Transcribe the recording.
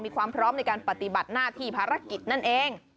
มีความพร้อมในการปฏิบัติหน้าที่ภารกิจนั่นเอง